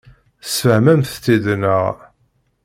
Tesfehmemt-tt-id, naɣ?